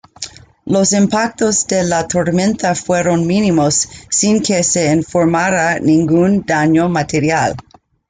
Los impactos de la tormenta fueron mínimos, sin que se informara ningún daño material.